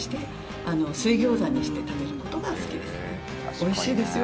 おいしいですよ。